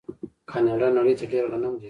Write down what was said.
کاناډا نړۍ ته ډیر غنم لیږي.